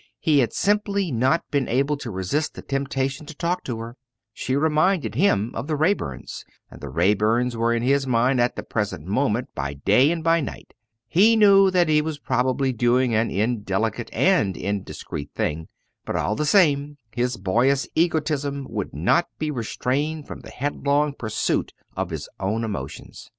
He had simply not been able to resist the temptation to talk to her. She reminded him of the Raeburns, and the Raeburns were in his mind at the present moment by day and by night. He knew that he was probably doing an indelicate and indiscreet thing, but all the same his boyish egotism would not be restrained from the headlong pursuit of his own emotions.